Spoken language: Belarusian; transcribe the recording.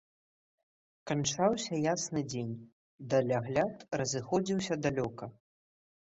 Канчаўся ясны дзень, далягляд разыходзіўся далёка.